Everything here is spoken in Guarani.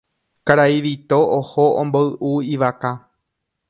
Karai Vito oho omboy'u ivaka.